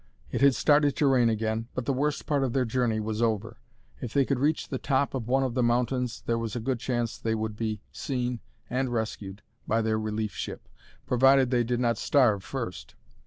It had started to rain again, but the worst part of their journey was over. If they could reach the top of one of the mountains there was a good chance that they would be seen and rescued by their relief ship, provided they did not starve first.